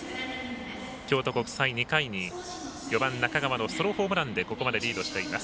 京都国際、２回に４番中川のソロホームランでここまでリードしています。